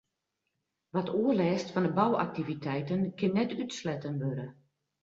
Wat oerlêst fan 'e bouaktiviteiten kin net útsletten wurde.